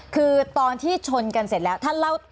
คือตอนที่ชนกันเสร็จแล้วท่านเล่า